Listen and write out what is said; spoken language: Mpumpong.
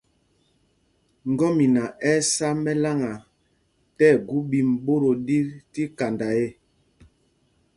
Ŋgɔ́mina ɛ́ ɛ́ sá mɛláŋa tí ɛgu ɓīm ɓot o ɗi tí kanda ê.